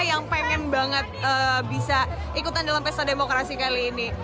yang pengen banget bisa ikutan dalam pesta demokrasi kali ini